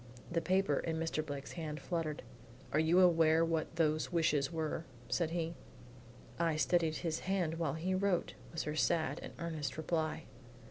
'" The paper in Mr. Blake's hand fluttered. "You are aware what those wishes are?" said he. "I steadied his hand while he wrote," was her sad and earnest reply.